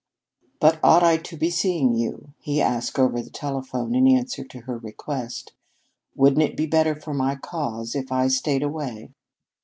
"But ought I to be seeing you?" he asked over the telephone in answer to her request. "Wouldn't it be better for my cause if I stayed away?"